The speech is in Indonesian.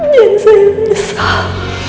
dan saya menyesal